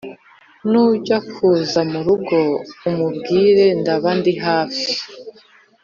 nujya kuza murugo umbwire ndaba ndihafi